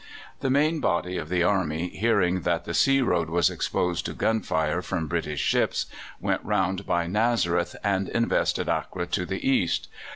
The main body of the army, hearing that the sea road was exposed to gun fire from British ships, went round by Nazareth and invested Acre to the east.